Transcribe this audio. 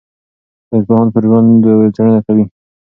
ساینسپوهان پر ژوند څېړنه کوي.